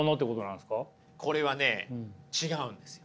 これはね違うんですよ。